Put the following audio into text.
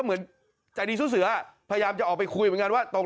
ใจมากไม่รู้เลยทำไมถึงมาตบทำร้าย